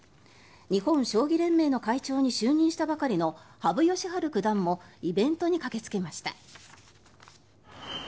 日本将棋連盟の会長に就任したばかりの羽生善治九段もイベントに駆けつけました。